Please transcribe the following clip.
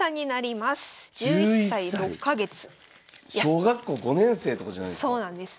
小学校５年生とかじゃないですか？